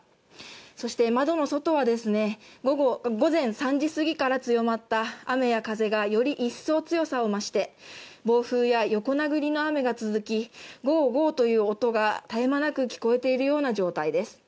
そして窓の外はですね、午前３時過ぎから強まった雨や風がより一層強さを増して暴風や横殴りの雨が続き、ゴゴという音が絶え間なく聞こえているような状態です。